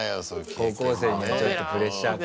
高校生にはちょっとプレッシャーか。